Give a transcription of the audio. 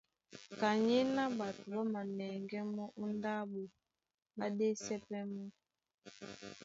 Kanyéná ɓato ɓá manɛŋgɛ́ mɔ́ ó ndáɓo, ɓá ɗésɛ pɛ́ mɔ́.